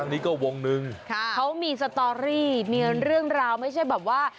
อันนี้ก็วงหนึ่งเขามีสตอรี่มีเรื่องราวไม่ใช่แบบว่า